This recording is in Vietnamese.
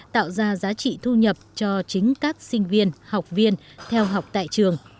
tạo ra giá trị thu nhập cho chính các sinh viên học viên theo học tại trường